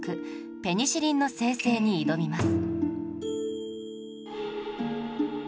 ペニシリンの精製に挑みます